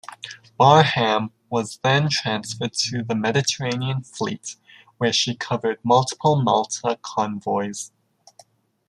"Barham" was then transferred to the Mediterranean Fleet where she covered multiple Malta Convoys.